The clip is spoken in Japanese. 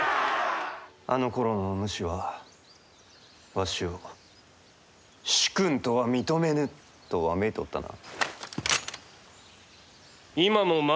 あのころのお主はわしを「主君とは認めぬ」とわめいておったな。